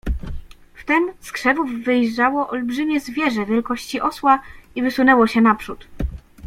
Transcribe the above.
"Wtem z krzewu wyjrzało olbrzymie zwierzę wielkości osła i wysunęło się naprzód."